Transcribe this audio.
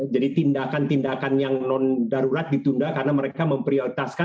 jadi tindakan tindakan yang non darurat ditunda karena mereka memperlihatkan